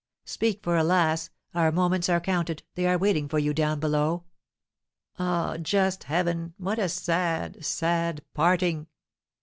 Speak, for, alas! our moments are counted, they are waiting for you down below. Ah, just Heaven, what a sad, sad parting!"